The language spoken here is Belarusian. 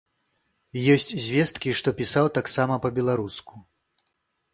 Ёсць звесткі, што пісаў таксама па-беларуску.